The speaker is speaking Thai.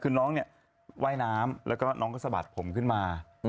คือน้องเนี่ยว่ายน้ำแล้วก็น้องก็สะบัดผมขึ้นมา